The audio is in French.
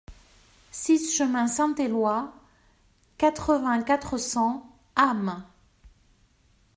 six chemin Saint-Éloi, quatre-vingts, quatre cents, Ham